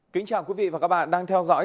kính chào quý vị và các bạn đang theo dõi